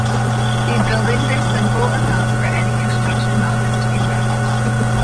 These buildings are simple enough for any construction novice to erect.